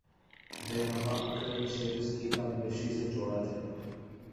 بایں ہمہ، اگر اسے رزق کی کم بیشی سے جوڑا جائے گا۔